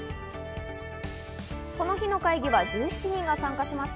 この日の会議は１７人が参加しました。